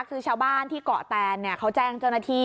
คือชาวบ้านที่เกาะแตนเขาแจ้งเจ้าหน้าที่